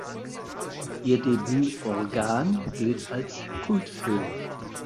Ihr Debüt "Organ" gilt als Kultfilm.